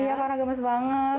iya warna gemes banget